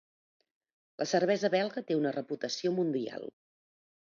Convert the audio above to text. La cervesa belga té una reputació mundial.